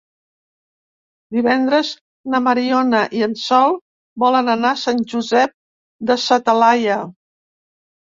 Divendres na Mariona i en Sol volen anar a Sant Josep de sa Talaia.